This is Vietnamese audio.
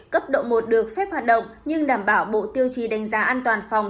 cấp độ một được phép hoạt động nhưng đảm bảo bộ tiêu chí đánh giá an toàn phòng